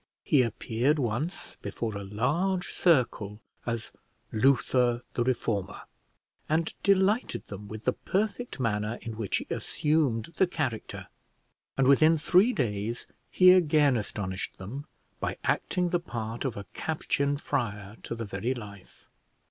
He appeared once before a large circle as Luther the reformer, and delighted them with the perfect manner in which he assumed the character; and within three days he again astonished them by acting the part of a Capuchin friar to the very life.